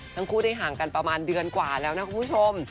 ทั้งคู่ได้ห่างกันประมาณเดือนกว่าแล้วนะคุณผู้ชม